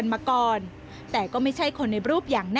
ทำไมเราต้องเป็นแบบเสียเงินอะไรขนาดนี้เวรกรรมอะไรนักหนา